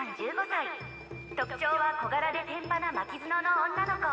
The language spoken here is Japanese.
１５歳特徴は小柄で天パな巻き角の女の子